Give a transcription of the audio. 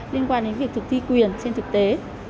liên quan đến việc thực thi quyền trên thực tế